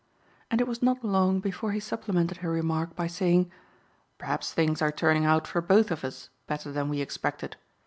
'" and it was not long before he supplemented her remark by saying, "Perhaps things are turning out for both of us better than we expected.